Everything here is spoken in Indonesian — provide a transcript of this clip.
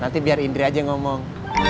nanti biar indra aja ngomong